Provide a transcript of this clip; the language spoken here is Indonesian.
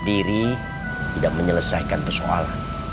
di dalam menyelesaikan pesok